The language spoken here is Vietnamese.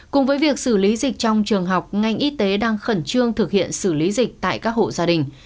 cùng với việc xử lý dịch trong trường học ngành y tế đang khẩn trương thực hiện xử lý dịch tại các hộ gia đình